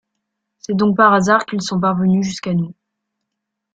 C'est donc par hasard qu'ils sont parvenus jusqu'à nous.